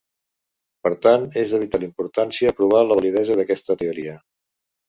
Per tant, és de vital importància provar la validesa d'aquesta teoria.